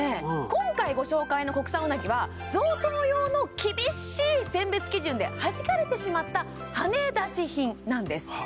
今回ご紹介の国産うなぎは贈答用の厳しい選別基準ではじかれてしまったはねだし品なんです